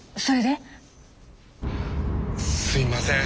すいません。